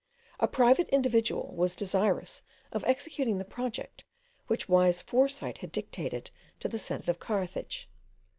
A private individual was desirous of executing the project, which wise foresight had dictated to the senate of Carthage.